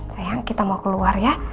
sayang kita mau keluar ya